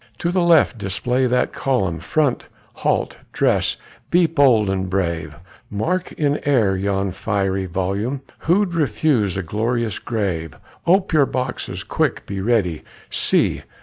To the left display that column, Front, halt, dress, be bold and brave; Mark in air yon fiery volume, Who'd refuse a glorious grave; Ope your boxes, quick, be ready, See!